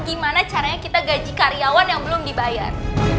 gimana caranya kita gaji karyawan yang belum dibayar